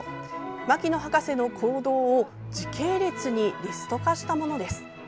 牧野博士の行動を時系列にリスト化したものです。